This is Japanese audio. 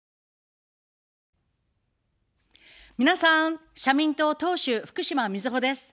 皆さん、社民党党首、福島みずほです。